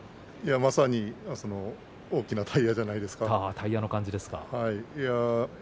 まさに大きなタイヤじゃないですか。